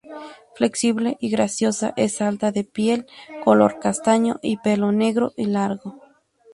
Flexible y graciosa, es alta, de piel color castaño y pelo negro y largo.